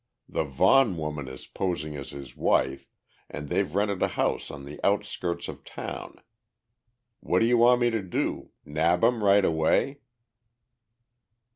The Vaughan woman is posing as his wife and they've rented a house on the outskirts of town. What do you want me to do? Nab 'em right away?"